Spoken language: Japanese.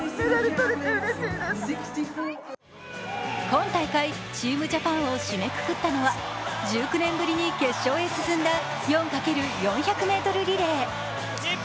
今大会、チームジャパンを締めくくったのは、１９年ぶりに決勝へ進んだ４×４００ｍリレー。